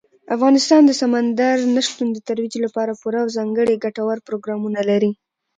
افغانستان د سمندر نه شتون د ترویج لپاره پوره او ځانګړي ګټور پروګرامونه لري.